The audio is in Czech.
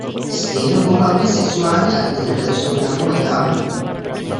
Stejnopohlavní sexuální aktivita je v Surinamu legální.